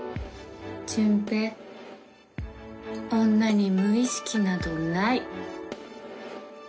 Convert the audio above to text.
順平女に無意識などない。